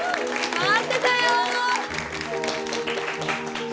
待ってたよ！